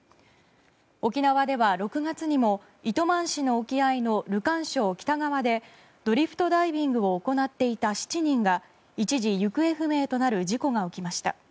沖縄では６月にも糸満市の沖合のルカン礁北側でドリフトダイビングを行っていた７人が一時、行方不明となる事故が起きました。